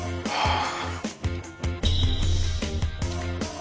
ああ。